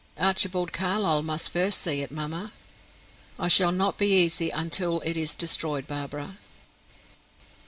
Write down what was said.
"Archibald Carlyle must first see it, mamma." "I shall not be easy until it is destroyed, Barbara."